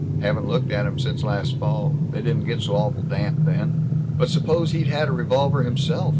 Haven't looked at 'em since last fall. They didn't get so awful damp then." "But suppose he'd had a revolver himself?"